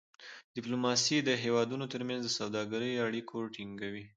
ډيپلوماسي د هېوادونو ترمنځ د سوداګری اړیکې ټینګوي.